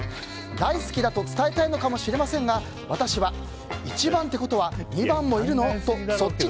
大好きだと伝えたいのかもしれませんが私は、１番ってことは２番もいるの？って